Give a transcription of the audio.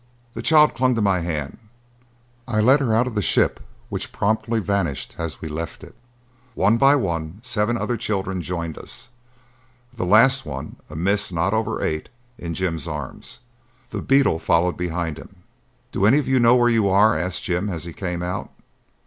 The child clung to my hand: I led her out of the ship, which promptly vanished as we left it. One by one, seven other children joined us, the last one, a miss of not over eight, in Jim's arms. The beetle followed behind him. "Do any of you know where you are?" asked Jim as he came out.